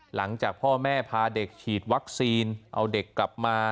หลังจากพ่อแม่พาเด็กฉีดวัคซีนเอาเด็กกลับมา